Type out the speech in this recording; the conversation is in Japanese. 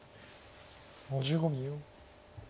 ５５秒。